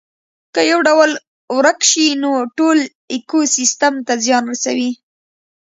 که یو ډول ورک شي نو ټول ایکوسیستم ته زیان رسیږي